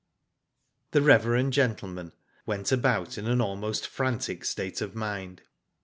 The reverend gentleman went about in an almost frantic state of mind.